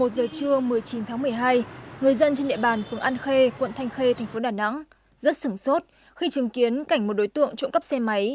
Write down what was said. một mươi giờ trưa một mươi chín tháng một mươi hai người dân trên địa bàn phường an khê quận thanh khê thành phố đà nẵng rất sửng sốt khi chứng kiến cảnh một đối tượng trộm cắp xe máy